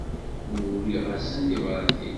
Uriɣ-asen tibratin.